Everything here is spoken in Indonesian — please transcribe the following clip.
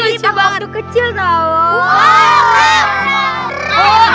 ini dari waktu kecil tau